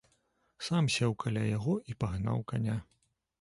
Сам сеў каля яго і пагнаў каня.